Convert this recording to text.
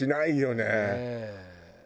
ねえ。